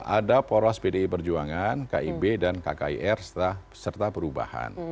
ada poros pdi perjuangan kib dan kkir serta perubahan